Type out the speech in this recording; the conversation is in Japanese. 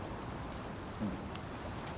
うん。